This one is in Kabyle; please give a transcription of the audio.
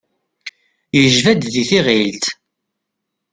Yejba-d di tiɣilt.